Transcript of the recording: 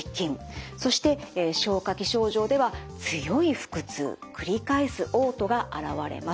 そして消化器症状では強い腹痛繰り返すおう吐があらわれます。